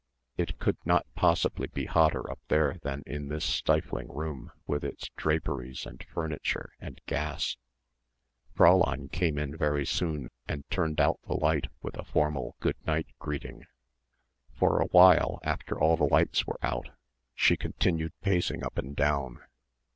It could not possibly be hotter up there than in this stifling room with its draperies and furniture and gas. Fräulein came in very soon and turned out the light with a formal good night greeting. For a while after all the lights were out, she continued pacing up and down.